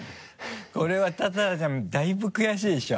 これは多々良ちゃんだいぶ悔しいでしょ？